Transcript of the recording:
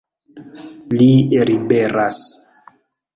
Li liberas!